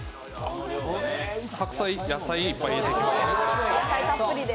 白菜、野菜をいっぱい入れてきます。